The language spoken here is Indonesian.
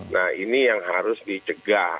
nah ini yang harus dicegah